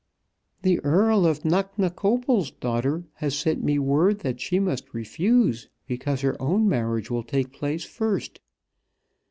"The Earl of Knocknacoppul's daughter has sent me word that she must refuse, because her own marriage will take place first.